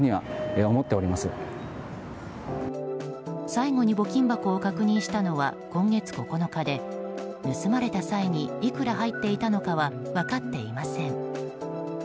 最後に募金箱を確認したのは今月９日で盗まれた際にいくら入っていたのかは分かっていません。